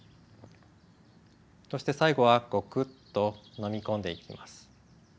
そして最後はゴクッと飲み込んでいきます。